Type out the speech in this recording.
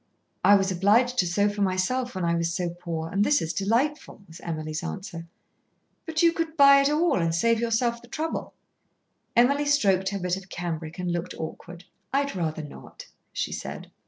"I was obliged to sew for myself when I was so poor, and this is delightful," was Emily's answer. "But you could buy it all and save yourself the trouble." Emily stroked her bit of cambric and looked awkward. "I'd rather not," she said.